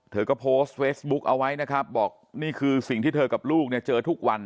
เธอก็โพสต์เฟซบุ๊กเอาไว้นะครับบอกนี่คือสิ่งที่เธอกับลูกเนี่ยเจอทุกวัน